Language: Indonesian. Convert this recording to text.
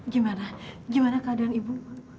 gimana gimana keadaan ibu